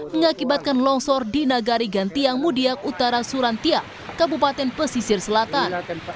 mengakibatkan longsor di nagari gantiang mudiak utara surantia kabupaten pesisir selatan